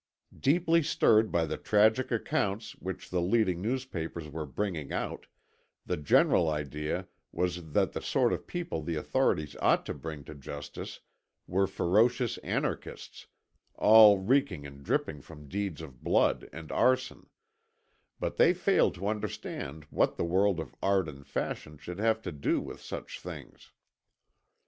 Deeply stirred by the tragic accounts which the leading newspapers were bringing out, the general idea was that the sort of people the authorities ought to bring to justice were ferocious anarchists, all reeking and dripping from deeds of blood and arson; but they failed to understand what the world of Art and Fashion should have to do with such things.